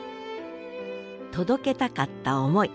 届けたかった思い。